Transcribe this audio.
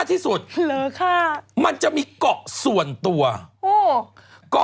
คุณหมอโดนกระช่าคุณหมอโดนกระช่า